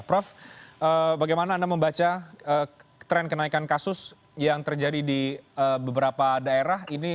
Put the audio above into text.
prof bagaimana anda membaca tren kenaikan kasus yang terjadi di beberapa daerah ini